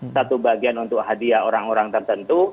satu bagian untuk hadiah orang orang tertentu